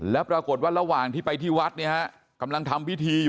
แล้วปรากฏว่าระหว่างที่ไปที่วัดเนี่ยฮะกำลังทำพิธีอยู่